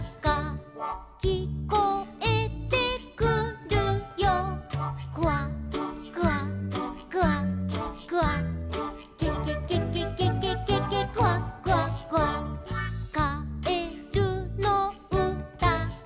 「きこえてくるよ」「クワクワクワクワ」「ケケケケケケケケクワクワクワ」「かえるのうたが」